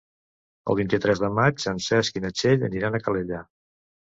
El vint-i-tres de maig en Cesc i na Txell aniran a Calella.